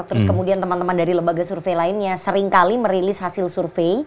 terus kemudian teman teman dari lembaga survei lainnya seringkali merilis hasil survei